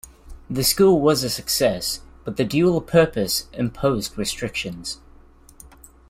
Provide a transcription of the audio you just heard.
The school was a success but the dual purpose imposed restrictions.